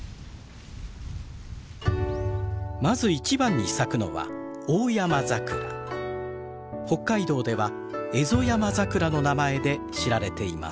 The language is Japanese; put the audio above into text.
まず一番に咲くのは北海道ではエゾヤマザクラの名前で知られています。